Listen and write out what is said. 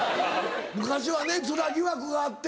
昔はねヅラ疑惑があって。